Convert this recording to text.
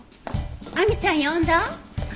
亜美ちゃん呼んだ？